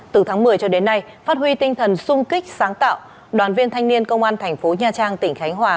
từ tháng một mươi cho đến nay phát huy tinh thần sung kích sáng tạo đoàn viên thanh niên công an thành phố nha trang tỉnh khánh hòa